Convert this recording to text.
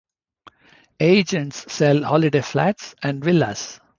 Agents sell holiday flats and villas.